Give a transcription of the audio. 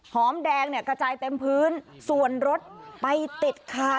หอมแดงเนี่ยกระจายเต็มพื้นส่วนรถไปติดคา